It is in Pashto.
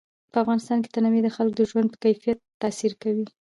په افغانستان کې تنوع د خلکو د ژوند په کیفیت تاثیر کوي.